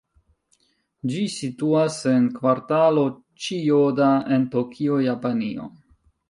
Ĝi situas en Kvartalo Ĉijoda en Tokio, Japanio.